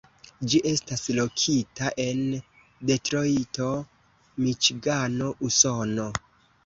Ĝi estas lokita en Detrojto, Miĉigano, Usono.